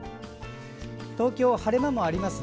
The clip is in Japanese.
東京、晴れ間もありますね。